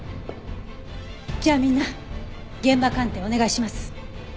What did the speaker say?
じゃあみんな現場鑑定お願いします。